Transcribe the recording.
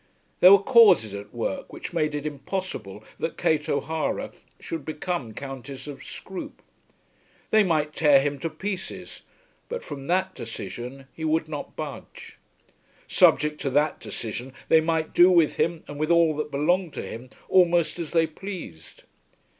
There were causes at work which made it impossible that Kate O'Hara should become Countess of Scroope. They might tear him to pieces, but from that decision he would not budge. Subject to that decision they might do with him and with all that belonged to him almost as they pleased.